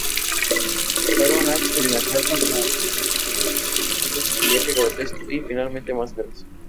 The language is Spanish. Comenzaron a experimentar con su imagen utilizando maquillaje grotesco, y, finalmente, máscaras.